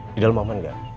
di dalem aman gak